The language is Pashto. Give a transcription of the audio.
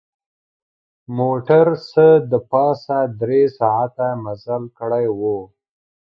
موټر څه د پاسه درې ساعته مزل کړی و.